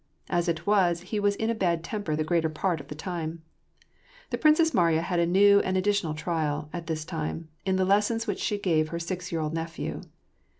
As it was, he was in a bad temper the greater part of the time. The Princess Mariya had a new and additional trial, at this time, in the lessons which she gave her siz year old nephew.